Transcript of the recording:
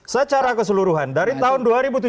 secara keseluruhan dari tahun dua ribu tujuh belas